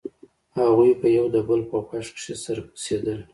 هغوى به يو د بل په غوږ کښې سره پسېدل.